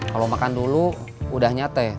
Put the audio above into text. kalau makan dulu udah nyate